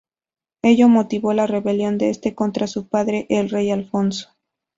Ello motivó la rebelión de este contra su padre, el rey Alfonso.